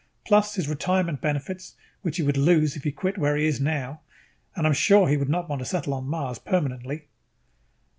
Plus his retirement benefits, which he would lose if he quit where he is now at. And I am sure he would not want to settle on Mars permanently."